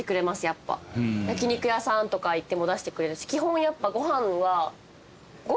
やっぱ焼き肉屋さんとか行っても出してくれるし基本やっぱ。